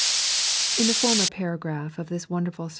IN the former paragraph of thia wonderful (w.